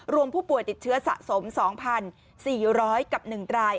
รวมผู้ป่วยติดเชื้อสะสม๒๔๐๐กับ๑ราย